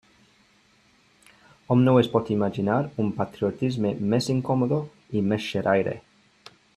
Hom no es pot imaginar un patriotisme més incòmode i més xerraire.